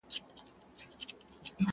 ګراني افغاني زما خوږې خورکۍ؛